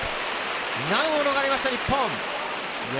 難を逃れました日本。